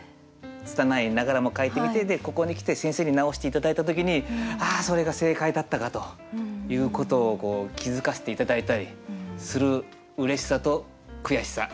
つたないながらも書いてみてここに来て先生に直して頂いた時にあそれが正解だったかということを気付かせて頂いたりするうれしさと悔しさ。